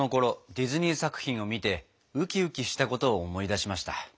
ディズニー作品を見てウキウキしたことを思い出しました。